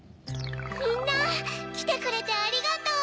みんなきてくれてありがとう！